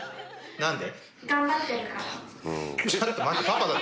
何で？